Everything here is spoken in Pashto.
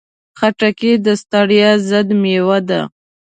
خټکی د ستړیا ضد مېوه ده.